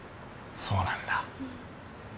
そうなんだ。